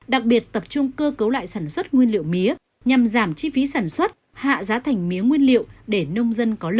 đặc biệt tập trung cơ cấu lại sản xuất nguyên liệu mía nhằm giảm chi phí sản xuất hạ giá thành mía nguyên liệu để nông dân có lợi